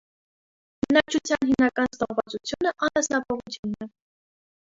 Բնակչության հիմնական զբաղվածությունը անասնապահությունն է։